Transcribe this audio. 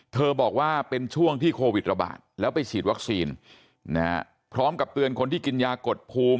บอกว่าเป็นช่วงที่โควิดระบาดแล้วไปฉีดวัคซีนนะฮะพร้อมกับเตือนคนที่กินยากดภูมิ